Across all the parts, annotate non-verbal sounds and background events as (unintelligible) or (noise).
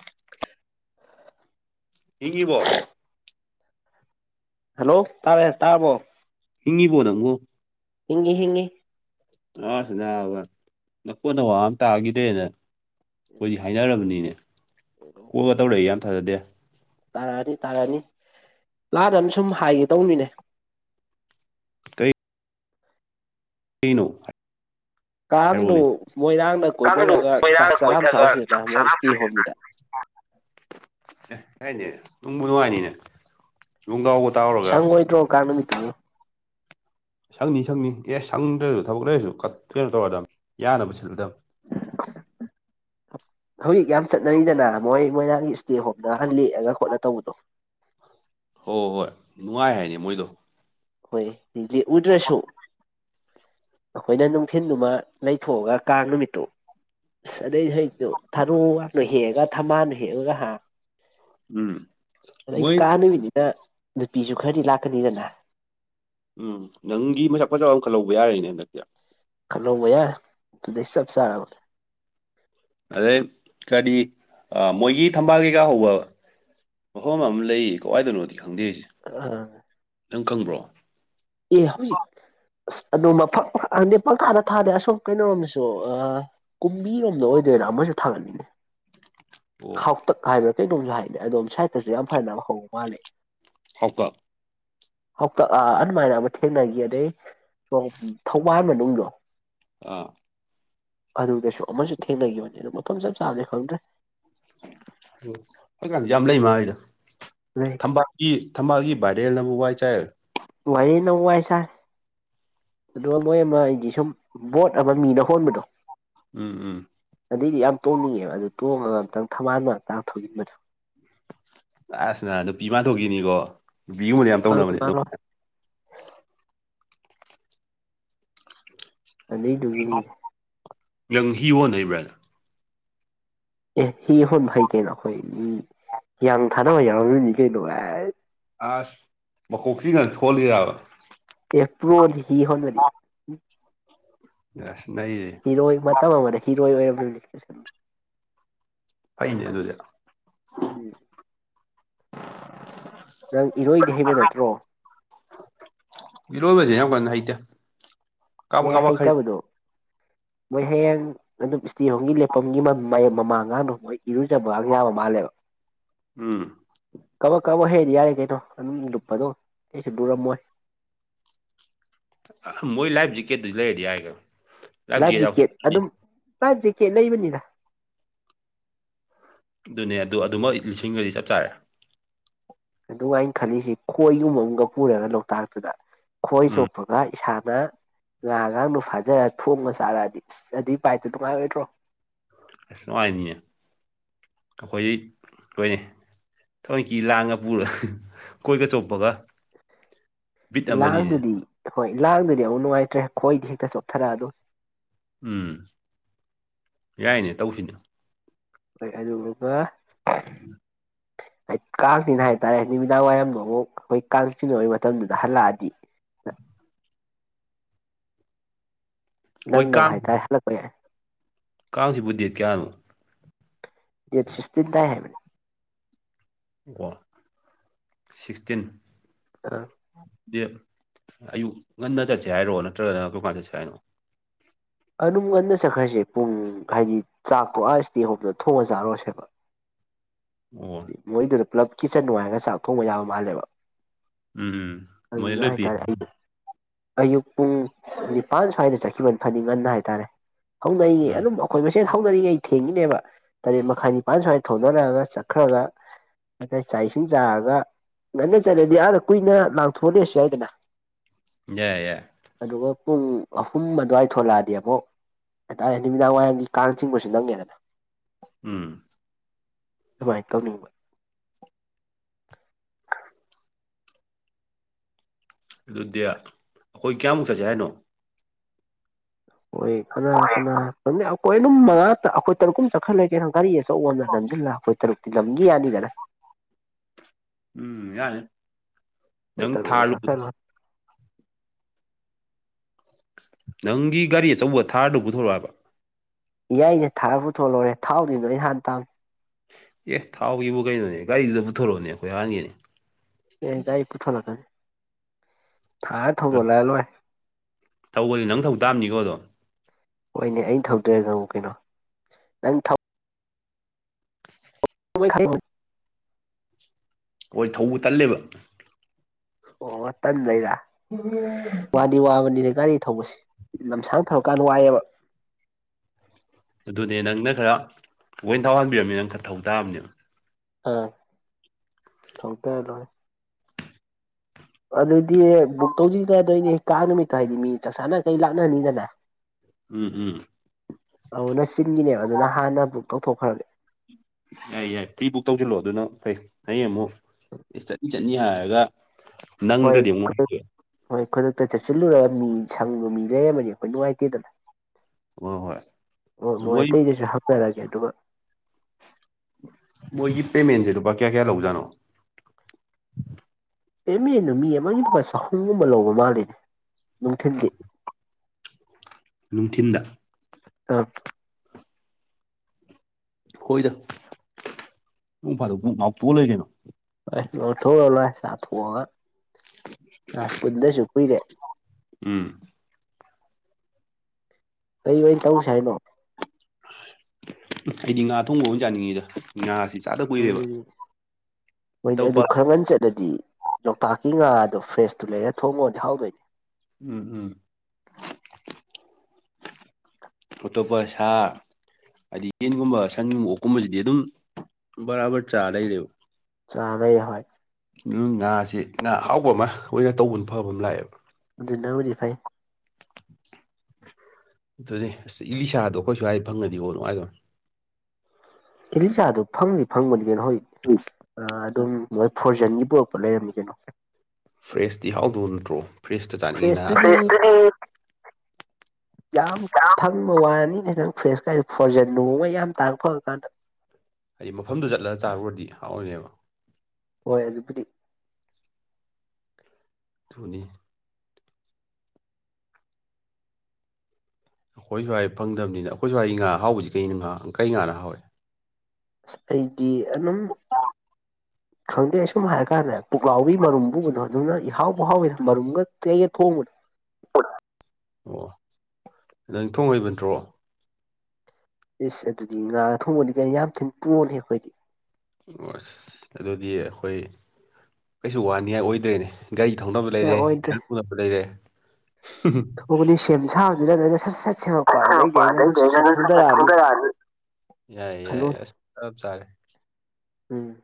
(inaudible) ꯍꯤꯡꯉꯤꯕꯣ꯫ Hello ꯇꯥꯔꯦ ꯇꯥꯔꯕꯣ꯫ ꯍꯤꯡꯉꯤꯕꯣ ꯅꯪꯕꯣ꯫ ꯍꯤꯡꯉꯤ ꯍꯤꯡꯉꯤ꯫ ꯑꯁ ꯅꯥꯕ ꯅꯈꯣꯟ ꯅꯋꯥ ꯑꯃ ꯇꯥꯈꯤꯗ꯭ꯔꯦꯅꯦ꯫ ꯑꯩꯈꯣꯏꯗꯤ ꯍꯥꯏꯅꯔꯕꯅꯤꯅꯦ ꯀꯣꯜꯒ ꯇꯧꯔꯛꯏ ꯌꯥꯝ ꯊꯥꯖꯗꯦ꯫ ꯇꯥꯔꯛꯑꯅꯤ ꯇꯥꯔꯛꯑꯅꯤ ꯂꯥꯟꯅ ꯑꯝꯁꯨꯝ ꯍꯥꯏꯒꯦ ꯇꯧꯅꯤꯅꯦ꯫ ꯀꯩ ꯀꯩꯅꯣ ꯍꯥꯏ꯫ ꯀꯥꯡꯗꯨ ꯃꯣꯏꯔꯥꯡꯗ ꯀꯥꯡꯗꯨ ꯀꯣꯏꯊꯔꯒ ꯆꯥꯛ ꯃꯣꯏꯔꯥꯡꯒ ꯆꯔꯥ ꯑꯝ ꯀꯣꯏꯊꯒ ꯆꯥꯎꯁꯤꯗꯅ ꯃꯣꯏ ꯏꯁꯇꯦ ꯍꯣꯝꯗꯨꯗ꯫ ꯑꯦ ꯌꯥꯏꯅꯦ ꯅꯨꯡꯕꯨ ꯅꯨꯡꯉꯥꯏꯅꯤꯅꯦ ꯂꯣꯡꯗꯥꯥꯎꯕꯨ ꯇꯥꯎꯔꯒ꯫ (unintelligible) ꯁꯪꯅꯤ ꯁꯪꯅꯤ ꯑꯦ ꯁꯪꯗ꯭ꯔꯁꯨ ꯊꯕꯛ ꯂꯩꯔꯁꯨ ꯀꯠ ꯀꯩꯅꯣ ꯇꯧꯔꯗꯝ ꯌꯥꯅꯕ ꯁꯤꯜꯂꯗꯝ꯫ (inaudible) (unintelligible) ꯍꯧꯖꯤꯛ ꯌꯥꯝ ꯆꯠꯅꯔꯤꯗꯅ ꯃꯣꯏ ꯃꯣꯏꯔꯥꯡꯒꯤ ꯏꯁꯇꯦ ꯍꯣꯝꯗ ꯂꯦꯛꯑꯒ ꯈꯣꯠꯂ ꯇꯧꯕꯗꯣ ꯍꯣꯏ ꯍꯣꯏ ꯍꯣꯏ ꯅꯨꯡꯉꯥꯏ ꯍꯥꯏꯅꯤ ꯃꯣꯏꯗꯣ ꯍꯣꯏꯗꯤ ꯎꯗ꯭ꯔꯁꯨ ꯑꯩꯈꯣꯏꯅ ꯅꯨꯡꯊꯤꯟꯗꯨꯃ ꯂꯩꯊꯣꯛꯑꯒ ꯀꯥꯡ ꯅꯨꯃꯤꯠꯇꯣ ꯑꯁ ꯑꯗꯩ ꯍꯩꯗꯣ ꯊꯔꯨꯅ ꯍꯦꯛꯑꯒ ꯊꯝꯃꯜꯅ ꯍꯦꯛꯑꯒ ꯍꯥ ꯎꯝ ꯑꯗ ꯑꯩ ꯃꯣꯏ ꯀꯥꯅꯃꯤꯅꯤꯅ ꯅꯨꯄꯤꯁꯨ ꯈꯔꯗꯤ ꯂꯥꯛꯀꯅꯤꯗꯅ ꯎꯝ ꯅꯪꯒꯤ ꯃꯁꯥꯛ ꯄꯖꯥꯛ ꯑꯃꯈꯛ ꯂꯧꯕ ꯌꯥꯔꯅꯦ ꯍꯟꯗꯛꯇꯤ ꯈꯜꯂꯣꯕ ꯌꯥꯔ ꯑꯗꯨꯗꯩ ꯆꯞ ꯆꯥꯔꯅꯦ ꯑꯗꯩ ꯀꯗꯤ ꯃꯣꯏꯒꯤ ꯊꯝꯕꯥꯜ ꯀꯩꯀꯥ ꯍꯧꯕ ꯃꯐꯝ ꯑꯃ ꯂꯩꯌꯦ ꯀꯋꯥꯏꯗꯧꯅꯣꯗꯤ ꯈꯪꯗꯦꯔꯤꯁꯦ ꯑꯥ ꯅꯪ ꯈꯪꯕ꯭ꯔꯣ꯫ ꯑꯦ ꯍꯧꯖꯤꯛ ꯑꯁ ꯑꯗꯨ ꯃꯐ ꯈꯪꯗꯦ ꯄꯪꯈꯥꯗ ꯊꯥꯗ ꯑꯁꯣꯝ ꯀꯩꯅꯣꯔꯣꯝꯗꯁꯨ꯫ ꯀꯨꯝꯕꯤꯔꯣꯝꯗ ꯑꯣꯏꯗꯣꯏꯔꯥ ꯑꯃꯁꯨ ꯊꯥꯒꯠꯂꯤꯅꯦ꯫ ꯑꯣ ꯍꯥꯎꯇꯛ ꯍꯥꯏꯕ꯭ꯔꯥ ꯀꯩꯅꯣꯝꯁꯨ ꯍꯥꯏꯅꯦ ꯑꯗꯣꯝ ꯁꯥꯏꯗꯇꯁꯨ ꯌꯥꯝ ꯐꯅꯕ ꯍꯧꯕ ꯃꯥꯜꯂꯦ꯫ ꯍꯥꯎꯇꯛ꯫ ꯍꯥꯎꯇꯛ ꯑ ꯑꯗꯨꯅꯃꯥꯏꯅ ꯑꯃ ꯊꯦꯡꯅꯈꯤ ꯑꯗꯩ꯫ ꯁꯣꯝ ꯊꯧꯕꯥꯟ ꯃꯅꯨꯡꯗꯣ꯫ ꯑꯥ꯫ ꯑꯗꯨꯗꯁꯨ ꯑꯃꯁꯨ ꯊꯦꯡꯅꯈꯤꯕꯅꯦ ꯑꯗꯨ ꯃꯐꯝ ꯆꯞ ꯆꯥꯕꯗꯤ ꯈꯪꯗ꯭ꯔꯦ꯫ ꯍꯧꯖꯤꯛꯀꯥꯟꯖꯤ ꯌꯥꯝ ꯂꯩ ꯃꯥꯜꯂꯤꯗ꯫ ꯂꯩ꯫ ꯊꯝꯄꯥꯛꯀꯤ ꯊꯝꯄꯥꯛꯜꯀꯤ ꯚꯥꯏꯔꯦꯜꯅꯕꯨ ꯋꯥꯏ ꯆꯥꯏ ꯋꯥꯏ ꯅꯧꯕꯁꯥ ꯑꯗꯨꯒ ꯃꯣꯏ ꯑꯃ ꯑꯩꯒꯤ ꯁꯨꯝ ꯕꯣꯠ ꯑꯃ ꯃꯤꯅ ꯍꯣꯟꯕꯗꯣ ꯎꯝ ꯎꯝ ꯑꯗꯨꯗꯏꯗꯤ ꯌꯥꯝ ꯇꯣꯡꯅꯤꯡꯉꯦꯕ ꯑꯗꯨ ꯇꯣꯡꯉꯒ ꯑꯝꯇꯪ ꯊꯝꯃꯜꯅ ꯇꯥꯛ ꯊꯟꯕꯗꯣ ꯑꯁꯅ ꯅꯨꯄꯤ ꯃꯥ ꯇꯧꯈꯤꯅꯤꯀꯣ ꯅꯨꯄꯤꯒꯨꯝꯕꯅ ꯌꯥꯝ ꯃꯥꯜꯂꯣꯏ ꯇꯧꯅꯕꯅꯦ ꯑꯝ ꯃꯥꯜꯂꯣꯏ ꯑꯗꯨꯩꯗꯨꯒꯤꯔꯤ ꯅꯪ ꯍꯤ ꯑꯣꯣꯟ ꯅꯕ꯭ꯔꯥꯗ ꯑꯦ ꯍꯤ ꯍꯣꯟꯕ ꯍꯩꯇꯩꯅꯣ ꯑꯩꯈꯣꯏ ꯍꯤꯌꯥꯡ ꯊꯥꯅꯕ ꯌꯥꯎꯔꯅꯤ ꯀꯩꯅꯣ ꯑꯦ ꯑꯁ ꯃꯈꯣꯛꯁꯤꯒ ꯁꯣꯍꯜꯂꯤ ꯍꯥꯏꯕ ꯑꯦꯄ꯭ꯔꯣꯗꯤ ꯍꯤ ꯍꯣꯟꯜ꯭ꯔꯗꯤ ꯌꯥ ꯅ ꯍꯤꯔꯣꯏ ꯃꯇꯝ ꯑꯃꯗ ꯍꯤꯔꯣꯏ ꯑꯣꯏꯔꯝꯂꯅꯤ ꯐꯩꯅꯦ ꯑꯗꯨꯗ ꯎꯝ ꯅꯪ ꯏꯔꯣꯏꯗꯤ ꯍꯩꯕ ꯅꯠꯇ꯭ꯔꯣ ꯏꯔꯣꯏꯕꯁꯦ ꯌꯥꯝ ꯀꯥꯟꯗ ꯍꯩꯇ ꯑꯦ ꯍꯩꯇꯕꯗꯣ ꯃꯣꯏ ꯍꯌꯦꯡ ꯑꯗꯨꯝ ꯏꯁꯇꯤ ꯍꯣꯝꯒꯤ ꯂꯦꯞꯐꯝꯒꯤ ꯃꯃꯥꯡꯒꯥꯡꯗ ꯃꯣꯏ ꯏꯔꯨꯖꯕꯒ ꯌꯥꯕ ꯃꯥꯜꯂꯦꯕ ꯎꯝ ꯀꯕꯛ ꯀꯕꯛ ꯍꯩꯗꯤ ꯌꯥꯔꯦ ꯀꯩꯅꯣ ꯑꯗꯨꯝ ꯂꯨꯞꯄꯗꯣ ꯑꯩꯁꯨ ꯂꯨꯔꯝꯃꯣꯏ ꯃꯣꯏ ꯂꯥꯏꯐ ꯖꯦꯛꯀꯦꯠꯇꯨꯗꯤ ꯂꯩꯔꯗꯤ ꯍꯥꯏꯒ ꯂꯥꯏ ꯖꯀꯦꯠ ꯑꯗꯨꯝ ꯂꯥꯏ ꯖꯦꯛꯀꯦꯠ ꯂꯩꯕꯅꯤꯗ ꯑꯗꯨꯅꯦ ꯑꯗꯨ ꯑꯗꯨꯃꯛ ꯂꯤꯁꯤꯡꯒꯗꯤ ꯆꯞ ꯆꯥꯔꯦ ꯑꯗꯨꯒꯥꯏꯅ ꯈꯜꯂꯤꯁꯤ ꯈꯣꯏꯒꯨꯝꯕ ꯑꯃꯒ ꯄꯨꯔꯒ ꯂꯣꯛꯇꯥꯛꯇꯨꯗ ꯈꯣꯏ ꯎꯝ ꯁꯣꯛꯄ ꯏꯁꯥꯅ ꯉꯥ ꯉꯥꯡꯗꯨ ꯐꯥꯖꯔꯒ ꯊꯣꯡꯉ ꯆꯥꯔꯛꯑꯗꯤ ꯏꯁꯁ ꯑꯗꯨꯏ ꯄꯥꯏꯠꯇ ꯅꯨꯡꯉꯥꯏꯔꯣꯏꯗ꯭ꯔꯣ ꯑꯁ ꯅꯨꯡꯉꯥꯏꯅꯤꯅꯦ ꯑꯩꯈꯣꯏꯗꯤ ꯀꯣꯏꯅꯦ ꯊꯃꯣꯏꯀꯤ ꯂꯥꯡꯉ ꯄꯨꯔꯒ ꯀꯣꯏꯕ ꯆꯣꯄꯒ ꯂꯥꯡꯗꯨꯗꯤ ꯍꯣꯏ ꯂꯥꯡꯗꯨꯗꯤ ꯑꯃꯨꯛ ꯅꯨꯡꯉꯥꯏꯇ꯭ꯔꯦ ꯈꯣꯏꯗꯤ ꯍꯦꯛꯇ ꯆꯣꯊꯔꯛꯑ ꯑꯗꯨ ꯎꯝ ꯌꯥꯏꯅꯦ ꯇꯧꯁꯤꯅ ꯍꯣꯏ ꯑꯗꯨꯒꯕ ꯎꯝ ꯍꯥꯏ ꯀꯥꯡꯁꯤꯤꯅ ꯍꯥꯏꯇꯥꯔꯦ ꯅꯨꯃꯤꯗꯥꯡ ꯋꯥꯏꯔꯝꯗꯣ ꯑꯃꯨꯛ ꯑꯩꯈꯣꯏ ꯀꯥꯡ ꯆꯤ ꯑꯣꯏꯒꯤ ꯃꯇꯝꯗꯨꯗ ꯍꯜꯂꯛꯑꯗꯤ ꯎꯝ ꯑꯩꯈꯣꯏ ꯅꯪꯅꯕ ꯀꯥꯡ ꯍꯥꯏꯇꯥꯔꯦ ꯍꯜꯂꯛꯄ ꯌꯥꯏ ꯀꯥꯡꯁꯤꯕꯨ ꯗꯦꯠ ꯀꯌꯥꯅꯣ ꯌꯦꯠ ꯁꯤꯛꯁꯇꯤꯟ ꯇꯥꯏ ꯍꯥꯢꯕꯅꯦ ꯑꯣ ꯁꯤꯛꯁꯇꯤꯟ ꯑ ꯑꯌꯨꯛ ꯉꯟꯅ ꯆꯠꯁꯦ ꯍꯥꯏꯔꯣ ꯅꯠꯇ꯭ꯔꯒꯅ ꯀꯩꯔꯝ ꯀꯥꯟ ꯆꯠꯁꯦ ꯍꯥꯏꯅꯣ ꯑꯗꯨꯝ ꯉꯟꯅ ꯆꯠꯈ꯭ꯔꯁꯦ ꯄꯨꯡ ꯍꯥꯏꯗꯤ ꯆꯥꯛ ꯇꯣꯛꯑ ꯏꯁꯇꯦ ꯑꯣꯝꯗ ꯊꯣꯡꯉ ꯆꯥꯔꯨꯔꯁꯦꯕ ꯑꯣ ꯎꯝ ꯃꯣꯏꯗꯨꯗ ꯄꯨꯂꯞ ꯀꯤꯆꯟ ꯅꯨꯡꯉꯥꯏꯔꯒ ꯆꯥꯛ ꯊꯣꯡꯕ ꯌꯥꯕ ꯃꯥꯜꯂꯦꯕ ꯎꯝ ꯃꯣꯏ ꯑꯗꯨꯅ ꯂꯣꯏ ꯄꯤ ꯍꯥꯏꯇꯥꯔꯦ ꯑꯩ ꯑꯌꯨꯛ ꯄꯨꯡ ꯅꯤꯄꯥꯜ ꯁ꯭ꯋꯥꯏꯗ ꯆꯠꯈꯤꯕ ꯐꯅꯤ ꯉꯟꯅ ꯍꯥꯏꯇꯥꯔꯦ ꯍꯧꯅꯩꯉꯦ ꯎꯝ ꯑꯗꯨꯝ ꯑꯩꯈꯣꯏ ꯃꯁꯦꯟ ꯍꯧꯅꯔꯤꯉꯩ ꯊꯦꯡꯉꯤꯅꯦꯕ ꯇꯔꯦꯠ ꯃꯈꯥꯏ ꯅꯤꯄꯥꯥꯟ ꯁ꯭ꯋꯥꯏꯗ ꯊꯧꯅꯔꯛꯑꯒ ꯆꯠꯈ꯭ꯔꯒ ꯉꯁꯥꯏ ꯆꯥꯛ ꯏꯁꯤꯅꯨꯝ ꯆꯥꯑꯒ ꯉꯟꯅ ꯆꯠꯂꯗꯤ ꯑꯥꯗ ꯀꯨꯏꯅ ꯂꯥꯡꯊꯣꯛꯂꯁ ꯍꯥꯏꯗꯅ ꯌꯥꯏ ꯌꯥꯏ ꯑꯗꯨꯒ ꯄꯨꯡ ꯑꯍꯨꯝ ꯑꯗꯨꯋꯥꯏ ꯊꯣꯛꯂꯛꯑꯗꯤ ꯑꯃꯕꯛ ꯍꯥꯏꯇꯥꯔꯦ ꯅꯨꯃꯤꯗꯥꯡ ꯋꯥꯏꯔꯝꯒꯤ ꯀꯥꯡ ꯆꯤꯡꯕꯁꯨ ꯅꯪꯉꯦꯗꯅ ꯎꯝ ꯑꯗꯨꯃꯥꯏꯅ ꯇꯧꯅꯤꯡꯕ ꯑꯗꯨꯣ ꯗꯗꯤꯌꯥ ꯑꯩꯈꯣꯏ ꯀꯌꯥꯃꯨꯛ ꯆꯠꯁꯦ ꯍꯥꯏꯅꯣ ꯍꯣꯏ ꯀꯅꯥ ꯀꯅꯥ ꯑꯩꯈꯣꯏ ꯑꯗꯨꯝ ꯃꯉꯥ ꯑꯩꯈꯣꯏ ꯇꯔꯨꯛ ꯀꯨꯝ ꯆꯠꯈꯔꯂꯒꯦ ꯀꯔꯤꯁꯦ ꯑꯆꯧꯅ ꯅꯝꯁꯤꯜꯂꯒ ꯑꯩꯈꯣꯏ ꯇꯔꯨꯛꯇꯤ ꯂꯝꯝꯒꯤ ꯌꯥꯅꯤꯗꯅ ꯎꯝ ꯌꯥꯗꯦ ꯍꯣꯏ ꯇꯔꯨꯛ ꯆꯐꯔ ꯂꯣꯏꯔꯦ ꯅꯪꯒꯤ ꯒꯥꯔꯤ ꯑꯆꯧꯕ ꯊꯥꯔꯗꯨ ꯄꯨꯊꯣꯔꯛꯑꯕ ꯌꯥꯏꯅꯦ ꯊꯥꯔꯒ ꯄꯨꯊꯣꯂꯔꯦ ꯊꯥꯎꯗꯤꯗꯣ ꯅꯍꯥꯟ ꯇꯥꯅꯦ ꯑꯦ ꯊꯥꯎꯒꯤꯕꯨ ꯀꯩꯅꯣꯅꯦ ꯒꯥꯔꯤꯗꯨꯗ ꯄꯨꯊꯣꯔꯛꯑꯣꯅꯦ ꯑꯩꯈꯣꯏ ꯍꯍꯥꯟꯒꯤꯅꯦ ꯑꯦ ꯇꯥꯏ ꯀꯊ ꯅ ꯊꯥꯏ ꯊꯕ ꯂꯥꯏ ꯂꯣꯏ ꯇꯧꯕꯅꯤ ꯅꯪ ꯊꯧ ꯇꯥꯕꯅꯤꯀꯣꯗꯣ ꯍꯣꯏꯅꯦ ꯑꯩꯅ ꯊꯧꯗꯣꯏꯦ ꯀꯩꯅꯣ ꯅꯪ (inaudible) ꯍꯣꯏ ꯊꯧꯕ ꯇꯜꯂꯦꯕ ꯑꯣ ꯇꯟ ꯂꯩꯔ ꯋꯥꯅꯤ ꯋꯥꯕꯅꯤꯅꯦ ꯒꯥꯔꯤ ꯊꯧꯕꯁꯤꯦ ꯂꯝꯁꯥꯡ ꯊꯧꯔꯀꯥꯟꯗ ꯋꯥꯏꯑꯦꯕ ꯑꯗꯨꯅꯦ ꯅꯪꯅ ꯈꯔ ꯊꯧꯍꯟꯕꯤꯔꯝꯃꯤ ꯅꯪ ꯈꯔ ꯊꯊꯧ ꯇꯥꯕꯅꯦꯕ ꯑ ꯊꯇ ꯍꯥꯏꯔꯣꯅꯦ ꯑꯗꯨꯗꯤ ꯕꯨꯛ ꯇꯧꯁꯤꯒꯗꯣꯏꯅꯦ ꯀꯥ ꯅꯨꯃꯤꯠꯇꯣ ꯍꯥꯏꯗꯤ ꯃꯤ ꯆꯥꯛ ꯆꯥꯅ ꯀꯩ ꯂꯥꯛꯅꯍꯅꯤꯗꯅ ꯎꯝ ꯎꯝ ꯑꯧ ꯅꯆꯤꯟꯒꯤꯅꯦꯕ ꯑꯗꯨꯅ ꯍꯥꯟꯅ ꯕꯨꯛ ꯇꯧꯊꯣꯛꯈ꯭ꯔꯕꯅꯦ ꯌꯥꯏ ꯌꯥꯏ ꯄ꯭ꯔꯤ ꯕꯨꯛ ꯇꯧꯁꯤꯜꯂꯛꯑꯣ ꯑꯗꯨꯅ ꯐꯩ ꯍꯌꯦꯡ ꯑꯃꯨꯛ ꯑꯦ ꯆꯠꯅꯤ ꯆꯠꯅꯤ ꯍꯥꯏꯔꯒ ꯍꯣꯏ ꯅꯪꯗ꯭ꯔꯗꯤ ꯑꯃꯨꯛ ꯈꯨꯗ ꯍꯣꯏ ꯈꯨꯗꯛꯇ ꯆꯠꯁꯤꯜꯂꯨꯔꯒ ꯃꯤ ꯁꯪꯕꯨ ꯃꯤ ꯂꯩꯔꯝꯃꯅꯤ ꯑꯩꯈꯣꯏ ꯅꯨꯡꯉꯥꯏꯇꯦꯗꯅ ꯍꯣꯏ ꯍꯣꯏ ꯑꯣ ꯃꯣꯏ ꯑꯇꯩꯗꯁꯨ ꯍꯥꯞꯆꯔꯒꯦ ꯑꯗꯨꯒ ꯃꯣꯏꯒꯤ ꯄꯦꯃꯦꯟꯁꯦ ꯂꯨꯄꯥ ꯀꯌꯥ ꯀꯌꯥ ꯂꯧꯖꯥꯠꯅꯣ ꯑꯦꯦꯝꯃꯦ ꯅꯨ ꯃꯤ ꯑꯃꯒꯤ ꯂꯨꯄꯥ ꯆꯍꯨꯝꯒꯨꯝꯕ ꯂꯧꯕ ꯃꯥꯜꯂꯤꯅꯦ ꯅꯨꯡꯊꯤꯤꯟꯗꯤ ꯅꯨꯡꯊꯤꯟꯗ ꯑꯥ ꯍꯣꯏꯗ ꯅꯨꯡ ꯐꯥꯗꯣꯛ ꯉꯥꯛꯇꯣꯛꯑ ꯂꯩꯔꯤꯅꯣ ꯍꯣꯏ ꯂꯧꯊꯣꯛꯂꯣ ꯂꯣꯏ ꯆꯥꯊꯣꯛꯑꯒ ꯑ ꯄꯨꯟꯗꯁꯨ ꯀꯨꯏꯔꯦ ꯎꯝ ꯀꯩ ꯑꯣꯏꯅ ꯇꯧꯁ ꯍꯥꯏꯅꯣ ꯑꯩꯗꯤ ꯉꯥ ꯊꯣꯡꯕ ꯑꯃ ꯆꯥꯅꯤꯡꯉꯤꯗ ꯉꯥꯁꯤ ꯆꯥꯗ ꯀꯨꯏꯔꯦꯕ ꯑꯇꯣꯞꯄ ꯄꯥꯡꯉꯟ ꯆꯠꯂꯗꯤ ꯂꯣꯛꯇꯥꯛꯀꯤ ꯉꯥꯗꯣ ꯐ꯭ꯔꯦꯁꯇꯨ ꯂꯩꯔ ꯊꯣꯡꯉꯣꯗꯤ ꯍꯥꯎꯗꯣꯏꯅꯦ ꯎꯝ ꯎꯝ (inaudible) ꯐꯇꯣ ꯄꯩꯁꯥ ꯍꯥꯏꯗꯤ ꯌꯦꯟꯒꯨꯝꯕ ꯁꯟꯒꯨꯝ ꯑꯣꯛꯀꯨꯝꯕꯁꯤꯗꯤ ꯑꯗꯨꯝ ꯕꯔꯥꯕꯔ ꯆꯥꯔ ꯂꯩꯔꯦꯕ ꯆꯥꯅꯩꯍꯣꯏ ꯉꯥꯥꯁꯦ ꯉꯥ ꯑꯍꯥꯎꯕ ꯑꯃ ꯑꯣꯏꯅ ꯇꯧꯕꯅ ꯐꯕ ꯑꯃ ꯂꯥꯛꯑꯦꯕ ꯑꯗꯨꯗꯤꯅꯕꯨꯗꯤ ꯐꯩ ꯑꯗꯨꯅꯦ ꯑꯁ ꯏꯂꯤꯁꯥꯗꯣ ꯑꯩꯈꯣꯏꯁꯨ ꯍꯥꯏꯗꯤ ꯐꯪꯉꯅꯤꯀꯣ ꯅꯨꯡꯉꯥꯏꯗꯅꯅꯦ ꯀꯦꯔꯤ ꯆꯥꯗꯨꯣ ꯐꯪꯅꯤ ꯐꯪꯕꯅꯤ ꯀꯅ ꯅ ꯍꯣꯏ ꯎꯝ ꯑꯗꯨꯝ ꯃꯣꯏ ꯐꯣꯔꯖꯟꯒꯤ ꯄꯨꯔꯛꯄ ꯂꯩꯔꯝꯃꯤ ꯀꯩꯅꯣ ꯐ꯭ꯔꯦꯁꯇꯤ ꯌꯥꯍꯥꯎꯗꯧ ꯅꯠꯇ꯭ꯔꯣ ꯐ꯭ꯔꯦꯁꯇ ꯆꯥꯅꯤꯡꯉꯤꯅ ꯐ꯭ꯔꯦꯁꯇꯨꯗꯤ ꯌꯥꯝ ꯐꯪꯕ ꯋꯥꯔꯅꯤꯅꯦ ꯅꯪ ꯐ꯭ꯔꯦꯁ ꯀꯥꯏꯗ ꯐꯣꯔꯖꯟ ꯅꯣꯡꯃ ꯌꯥꯝ ꯇꯥꯡꯔ ꯐꯔ ꯀꯥꯟꯗ ꯍꯥꯏꯗꯤ ꯃꯐꯝꯗꯨ ꯆꯠꯂꯒ ꯆꯥꯔꯨꯔꯗꯤ ꯍꯥꯎꯏꯅꯦꯕ ꯍꯣꯏ ꯑꯗꯨꯕꯨꯗꯤ ꯊꯅꯤ ꯑꯩꯈꯣꯏ ꯁ꯭ꯋꯥꯏ ꯐꯪꯗꯝꯕꯅꯤꯅ ꯑꯩꯈꯣꯏ ꯁ꯭ꯋꯥꯏ ꯉꯥ ꯍꯥꯎꯕꯁꯤ ꯀꯩꯅ ꯉꯥ ꯀꯩ ꯉꯥꯅ ꯍꯥꯎꯋꯦ ꯁꯄꯒꯤ ꯑꯗꯨꯝ ꯈꯪꯗꯦ ꯑꯁꯨꯝ ꯍꯥꯏ ꯀꯥꯟꯗ ꯄꯨꯛꯂꯥꯎꯕꯤ ꯃꯔꯨꯝ ꯄꯨꯕꯗꯣ ꯑꯗꯨꯅ ꯏꯍꯥꯎꯕ ꯍꯥꯎꯋꯅ ꯃꯔꯨꯝꯒ ꯀꯩꯒ ꯊꯣꯡꯕꯗꯣ ꯑꯣ ꯑꯗ ꯅꯤꯡꯊꯣꯡ ꯑꯣꯏꯩꯕ ꯅꯠꯇ꯭ꯔꯣ ꯏꯁ ꯑꯗꯨꯗꯤ ꯉꯥ ꯑ ꯊꯣꯡꯕꯗꯤ ꯀꯩꯅ ꯌꯥꯝ ꯊꯤꯅ ꯇꯣꯜꯂꯤ ꯑꯩꯈꯣꯏꯗꯤ ꯑꯣ ꯑꯁ ꯑꯗꯨꯗꯤ ꯑꯩꯈꯣꯏ ꯀꯩꯁꯨ ꯋꯥꯅꯤꯡꯉꯥꯏ ꯑꯣꯏꯗ꯭ꯔꯦꯅꯦ ꯒꯥꯔꯤ ꯊꯧꯅꯕ ꯌꯥ ꯂꯩꯔꯦ ꯑꯣꯏꯗ꯭ꯔꯦ ꯏꯌꯥꯔ ꯄꯨꯅꯕ ꯂꯩꯔꯦ ꯃꯅꯤ ꯁꯦꯝ ꯁꯥꯕꯗꯨꯗꯣꯏꯅ ꯁꯠ ꯁꯠ ꯁꯦꯝꯃꯛꯄ ꯑ ꯑꯗꯩꯗꯤ ꯑꯩꯅ ꯄꯗꯩ ꯅꯣꯏ ꯁꯠ ꯁꯠ ꯂꯩꯅ ꯊꯣꯡꯗꯔꯛꯑꯅꯤ ꯀꯠꯣꯡꯒ ꯌꯥꯅꯤ ꯌꯥꯏ ꯌꯥꯏ ꯈꯜꯂꯣꯅꯦ ꯑꯁ ꯆꯂꯦ ꯎꯝ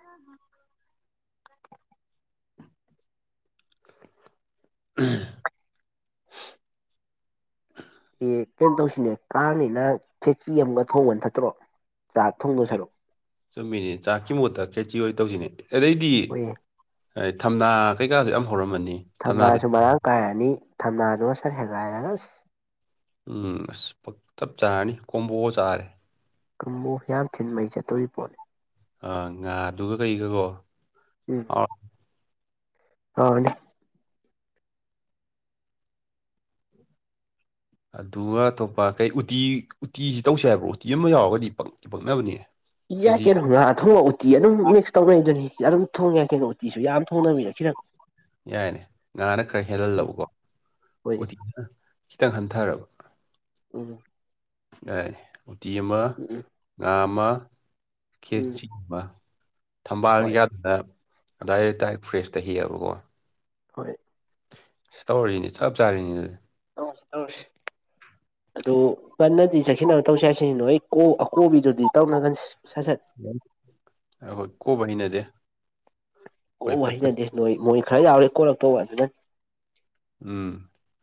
ꯎ ꯑ ꯑꯦ ꯀꯩꯅꯣ ꯇꯧꯁꯤꯅꯦ ꯀꯥꯡꯅꯤꯅ ꯐꯦꯛꯇ꯭ꯔꯤ ꯑꯃꯒ ꯊꯣꯡꯕꯅ ꯐꯠꯇ꯭ꯔꯣ ꯆꯥꯛ ꯊꯣꯡꯗꯣ ꯁꯔꯨꯛꯑꯣ ꯆꯨꯝꯃꯤꯅꯤ ꯆꯥꯛꯀꯤ ꯃꯨꯠꯇ ꯈꯦꯆꯤ ꯍꯣꯏ ꯇꯧꯁꯤꯅꯦ ꯑꯗꯩꯗꯤ ꯍꯣꯏꯌꯦ ꯊꯝꯅꯥ ꯀꯩꯀꯥꯁꯨ ꯌꯥꯝ ꯍꯧꯔꯝꯃꯅꯤ ꯊꯝꯅꯥꯗ ꯊꯝꯅꯥꯁꯨ ꯃꯔꯥꯡ ꯀꯥꯏꯔꯅꯤ ꯊꯝꯅꯥꯅꯣ ꯁꯠ ꯍꯦꯒꯥꯏꯔ ꯂꯁ ꯎꯝ ꯑꯁ ꯄꯛꯇꯞ ꯆꯥꯔꯅꯤ ꯀꯣꯝꯕꯣꯛ ꯆꯥꯔꯦ ꯀꯕꯨꯨ ꯍꯡꯊꯤꯟ ꯃꯩ ꯆꯠꯇꯣꯔꯤꯕ ꯄꯣꯠꯅꯤ ꯉꯥꯗꯨꯒ ꯀꯩꯒꯒꯣ ꯎꯝ ꯍ ꯑꯗꯨꯒ ꯑꯇꯣꯞꯄ ꯀꯩ ꯎꯇꯤ ꯎꯇꯤꯁꯤ ꯇꯧꯁꯦ ꯍꯥꯏꯕ꯭ꯔꯣ ꯎꯇꯤ ꯑꯃ ꯌꯥꯎꯔꯒꯗꯤ ꯄ ꯄꯛꯅꯕꯅꯦ ꯌꯥꯌꯥ ꯀꯦꯖꯤ ꯀꯩꯅ ꯉ ꯊꯣꯡ ꯎꯇꯤ ꯑꯗꯨꯝ ꯃꯤꯛꯁ ꯇꯧꯅꯩꯗꯨꯅꯤ ꯑꯗꯨꯝ ꯊꯣꯡꯉꯦ ꯀꯩꯅꯣ ꯎꯇꯤꯁꯨ ꯌꯥꯝ ꯊꯣꯡꯅꯕꯗ ꯈꯤꯔꯛ ꯌꯥꯏꯅꯦ ꯉꯥꯅ ꯈꯔ ꯎꯝ ꯍꯦꯜꯍꯜꯂꯕꯀꯣ ꯍꯣꯏꯅꯦ ꯎꯇꯤꯅ ꯈꯤꯇꯪ ꯍꯟꯊꯔꯕ ꯎ ꯎꯇꯤ ꯑꯃ ꯉꯥ ꯑꯃ ꯎꯝ ꯈꯦꯆ ꯑꯃ ꯊꯝꯕꯥꯜ ꯍꯣꯏ ꯌꯥꯛ ꯑ ꯑꯗꯨꯋꯥꯏꯗꯥꯏ ꯐ꯭ꯔꯦꯁꯇ ꯍꯦꯛꯑꯕꯀꯣ ꯍꯣꯏ ꯁꯤ ꯇꯧꯔꯤꯅꯤ ꯆꯞ ꯆꯥꯔꯤꯅꯤ ꯑꯗꯨꯗꯤ ꯑꯣ ꯇꯧꯔꯁꯤ ꯑꯗꯨ ꯀꯟꯅꯗꯤ ꯆꯦꯛꯁꯤꯟꯅꯕ ꯇꯧꯁꯦ ꯍꯥꯏꯁꯤꯅꯣ ꯑꯩ ꯑꯀꯣꯕꯤꯗꯨꯗꯤ ꯇꯧꯅ ꯈꯟꯁꯦ ꯁꯠ ꯁꯠ ꯍꯣꯏ ꯀꯣꯕ ꯍꯅꯗꯦ ꯑꯣ ꯁꯤꯅꯗꯦ ꯅꯣꯏ ꯃꯣꯏ ꯈꯔ ꯌꯥꯎꯔꯦ ꯀꯣꯜꯂꯛꯇꯧꯕ ꯑꯗꯨꯅ ꯎꯝ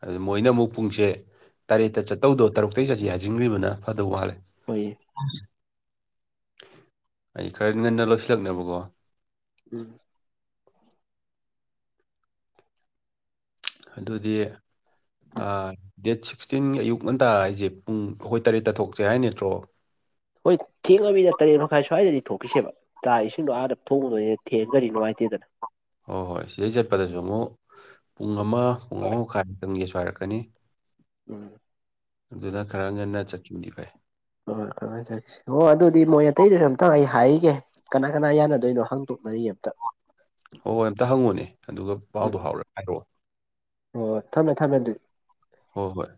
ꯑꯗꯨ ꯃꯣꯏꯅ ꯑꯃꯨꯛ ꯄꯨꯡꯁꯦ ꯇꯔꯦꯠꯇ ꯆꯠꯇꯧꯗꯣ ꯇꯔꯨꯛꯇꯒꯤ ꯆꯠꯁꯤ ꯍꯥꯏꯖꯤꯟꯈ꯭ꯔꯤꯕꯅ ꯐꯗꯧ ꯋꯥꯠꯂꯦ ꯑꯣꯏꯌꯦ ꯑꯩ ꯈꯔ ꯅꯗ ꯂꯧꯁꯤꯜꯂꯛꯅꯦꯕꯀꯣ ꯎꯝ ꯑꯗꯨꯗꯤ ꯑ ꯗꯦꯠ ꯁꯤꯛꯁꯇꯤꯟ ꯑꯌꯨꯛ ꯉꯟꯇꯥ ꯍꯥꯏꯁꯦ ꯄꯨꯡ ꯑꯩꯈꯣꯏ ꯇꯔꯦꯠꯇ ꯊꯣꯛꯁꯦ ꯍꯥꯏ ꯅꯠꯇ꯭ꯔꯣ ꯍꯣꯏ ꯊꯦꯡꯉꯃꯤꯗ ꯇꯔꯦꯠ ꯃꯈꯥꯏ ꯁ꯭ꯋꯥꯏꯗꯗꯤ ꯊꯣꯛꯈꯤꯁꯦꯕ ꯆꯥ ꯏꯁꯤꯡꯗꯣ ꯑꯥꯗ ꯊꯣꯡꯕꯗꯣꯏꯅꯦ ꯊꯦꯡ ꯈꯔꯗꯤ ꯅꯨꯡꯉꯥꯏꯇꯦꯗꯅ ꯍꯣꯏ ꯍꯣꯏ ꯁꯤꯗꯩ ꯆꯠꯄꯗꯁꯨ ꯑꯃꯨꯛ ꯄꯨꯡ ꯑꯃ ꯄꯨꯡ ꯍꯣꯏ ꯑꯍꯨꯝ ꯃꯈꯥꯏꯛꯇꯪꯒꯤꯁꯨ ꯍꯥꯏꯔꯛꯀꯅꯤ ꯎꯝ ꯑꯗꯨꯅ ꯈꯔ ꯉꯥꯟꯅ ꯆꯠꯈꯤꯕꯗꯤ ꯐꯩ ꯍꯣꯏ ꯍꯣꯏ ꯆꯠꯁꯤ ꯑꯗꯨꯗꯤ ꯃꯣꯏ ꯑꯇꯩꯗꯨꯁꯨ ꯑꯝꯇꯪ ꯑꯩ ꯍꯥꯏꯒꯤꯒꯦ ꯀꯅꯥ ꯀꯅꯥ ꯌꯥꯅꯗꯣꯏꯅꯣ ꯍꯥꯡꯇꯣꯛꯅꯔꯤ ꯑꯝꯇ ꯍꯣꯏ ꯍꯣꯏ ꯑꯝꯇ ꯍꯪꯉꯨꯅꯦ ꯑꯗꯨꯒ ꯄꯥꯎꯗꯣ ꯍꯥꯎꯔ ꯍꯥꯏꯔꯛꯑꯣ ꯑꯣ ꯊꯝꯃꯦ ꯊꯝꯃꯦ ꯑꯗꯨꯗꯤ ꯍꯣ ꯍꯣꯏ